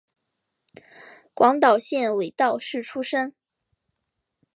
广岛县尾道市出身。